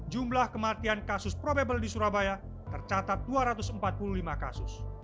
jumlah kematian kasus probable di surabaya tercatat dua ratus empat puluh lima kasus